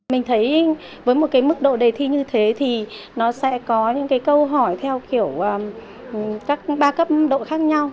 mình thấy với một cái mức độ đề thi như thế thì nó sẽ có những cái câu hỏi theo kiểu các ba cấp độ khác nhau